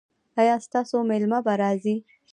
ایا ستاسو میلمه به راځي؟